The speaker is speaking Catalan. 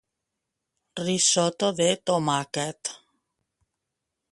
Risotto de tomàquet.